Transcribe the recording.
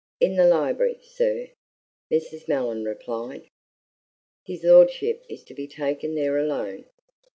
"In the library, sir," Mrs. Mellon replied. "His lordship is to be taken there alone."